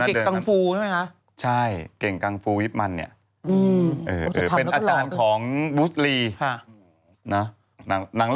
เหมือนเก่งกังฟูใช่ไหมคะ